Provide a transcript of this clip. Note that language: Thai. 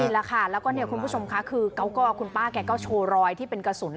แล้วก็คุณผู้ชมค่ะคุณป้าแก้วโชว์รอยที่เป็นกระสุน